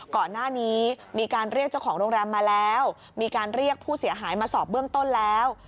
ก่อนหน้านี้มีการเรียกเจ้าของโรงแรมมาแล้วมีการเรียกผู้เสียหายมาสอบเบื้องต้นแล้ว